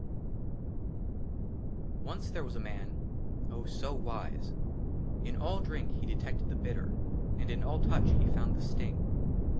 50 XLVIII ONCE THERE WAS A MAN, OH, SO WISE ! IN ALL DRINK HE DETECTED THE BITTER, AND IN ALL TOUCH HE FOUND THE STING.